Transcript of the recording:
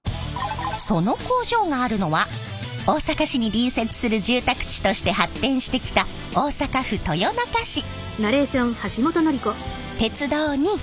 その工場があるのは大阪市に隣接する住宅地として発展してきた大阪府豊中市。